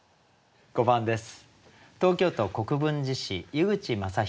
５番です。